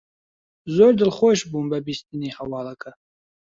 زۆر دڵخۆش بووم بە بیستنی هەواڵەکە.